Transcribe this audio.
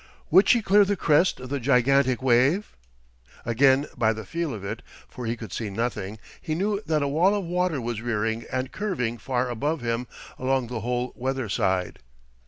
Would she clear the crest of the gigantic wave? Again by the feel of it, for he could see nothing, he knew that a wall of water was rearing and curving far above him along the whole weather side.